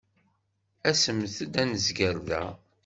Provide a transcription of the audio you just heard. Asemt-d ad nezger da.